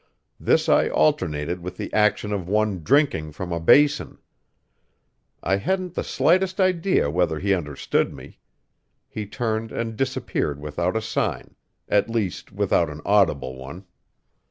This I alternated with the action of one drinking from a basin. I hadn't the slightest idea whether he understood me; he turned and disappeared without a sign at least, without an audible one.